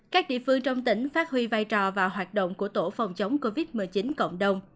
các địa phương trong tỉnh phát huy vai trò và hoạt động của tổ phòng chống covid một mươi chín cộng đồng